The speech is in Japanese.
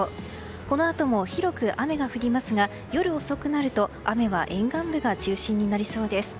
このあとも広く雨が降りますが夜遅くなると雨は沿岸部が中心になりそうです。